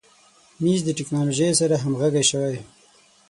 مېز د تکنالوژۍ سره همغږی شوی.